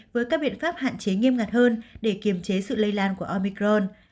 với các biện pháp hạn chế nghiêm ngặt hơn để kiềm chế sự lây lan của omicron